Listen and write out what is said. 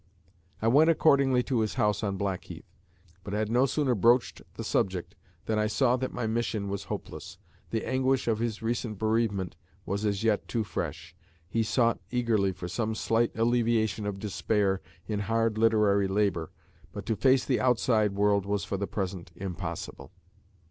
I went accordingly to his house at Blackheath, but had no sooner broached the subject than I saw that my mission was hopeless. The anguish of his recent bereavement was as yet too fresh. He sought eagerly for some slight alleviation of despair in hard literary labor; but to face the outside world was for the present impossible.